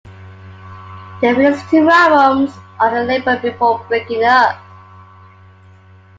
They released two albums on the label before breaking up.